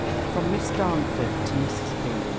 _From Miss Darnford to Mrs. B.